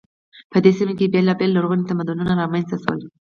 په دې سیمه کې بیلابیل لرغوني تمدنونه رامنځته شول.